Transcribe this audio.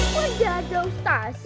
kan jadi usah sih